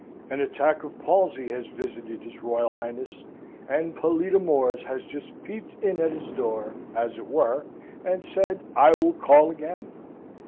An attack of palsy has visited his Royal Highness; and pallida mors has just peeped in at his door, as it were, and said, 'I will call again.'